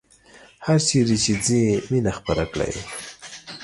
هرچیرې چې ځئ مینه خپره کړئ